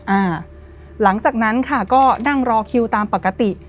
อ่าหลังจากนั้นค่ะก็นั่งรอคิวตามปกติ